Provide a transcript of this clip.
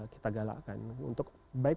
kita galakkan untuk baik